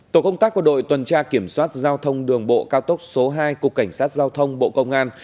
tổ công tác của đội tuần tra kiểm soát giao thông đường bộ cao tốc số hai cục cảnh sát giao thông bộ công an